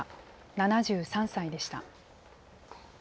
７３歳でした。